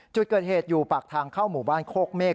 จุดเกิดเหตุอยู่ปากทางเข้าหมู่บ้านโคกเมฆ